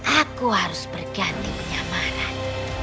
aku harus berganti penyamaran